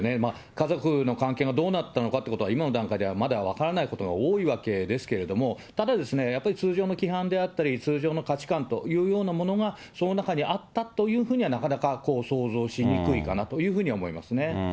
家族の関係がどうだったのかというのは今の段階ではまだ分からないことが多いわけですけれども、ただやっぱり通常の規範であったり、通常の価値観というようなものがその中にあったというふうには、なかなか想像しにくいかなというふうに思いますね。